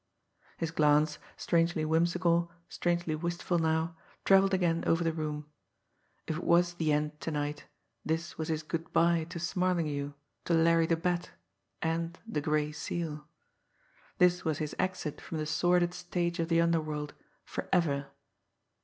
His glance, strangely whimsical, strangely wistful now, travelled again over the room. If it was the end to night, this was his good by to Smarlinghue, to Larry the Bat and the Gray Seal. This was his exit from the sordid stage of the underworld forever.